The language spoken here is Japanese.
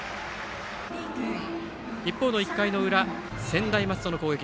一方の１回の裏、専大松戸の攻撃。